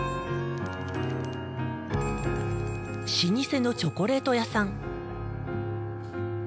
老舗のチョコレート屋さん。